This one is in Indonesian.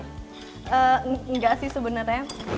eee enggak sih sebenarnya